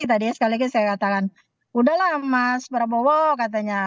tadinya sekali lagi saya katakan udahlah mas prabowo katanya